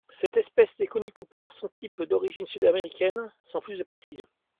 Cette espèce n'est connue que par son type d'origine sud-américaine sans plus de précisions.